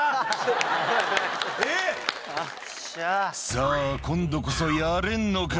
さあ、今度こそやれんのか。